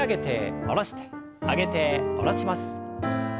上げて下ろします。